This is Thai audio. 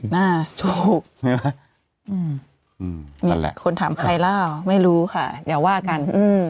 นี่มีคนถามใครเล่าไม่รู้ค่ะเดี๋ยวว่ากัน